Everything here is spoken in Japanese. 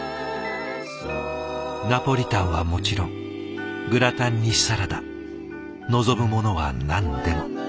ナポリタンはもちろんグラタンにサラダ望むものは何でも。